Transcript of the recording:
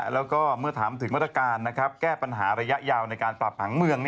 แล้วก็เมื่อถามถึงมาตรการแก้ปัญหาระยะยาวในการปรับผังเมือง